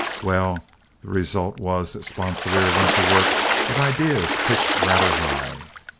Well, the result was that Sponsilier went to work with ideas pitched rather high.